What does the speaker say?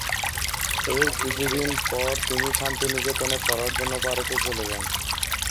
এর কিছু দিন পর তিনি শান্তিনিকেতনে পড়ার জন্য ভারতে চলে যান।